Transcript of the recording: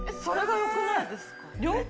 それが良くないですか？